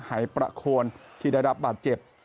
หายประโคนที่ได้รับบาดเจ็บ